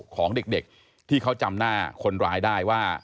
ของเด็กที่เขาจำหน้าคนร้ายได้ว่า